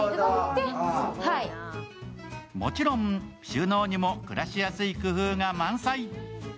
もちろん収納にも暮らしやすい工夫が満載。